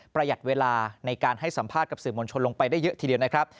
หยัดเวลาในการให้สัมภาษณ์กับสื่อมวลชนลงไปได้เยอะทีเดียวนะครับ